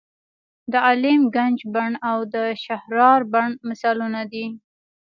د عالم ګنج بڼ او د شهرارا بڼ مثالونه دي.